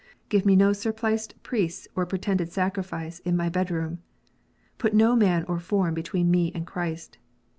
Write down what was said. Give me no surpliced priests or pretended sacrifice in my bed room. Put no man or form between me and Christ.